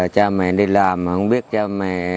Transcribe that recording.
cha mẹ đi làm mà không biết cha mẹ